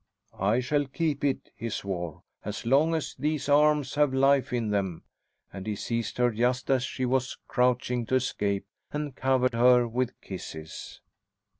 "I shall keep it," he swore, "as long as these arms have life in them," and he seized her just as she was crouching to escape, and covered her with kisses.